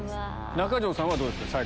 中条さんはどうですか？